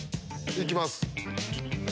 いきます。